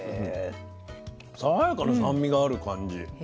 爽やかな酸味がある感じ。